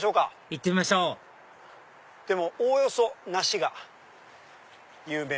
行ってみましょうでもおおよそ梨が有名。